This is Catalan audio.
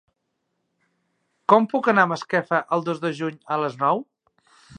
Com puc anar a Masquefa el dos de juny a les nou?